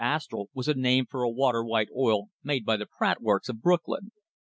Astral was a name for a water white oil made by the Pratt works of Brooklyn.